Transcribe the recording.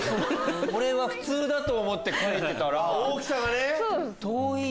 俺は普通だと思って描いてたら。